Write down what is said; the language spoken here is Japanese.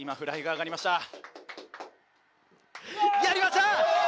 やりました！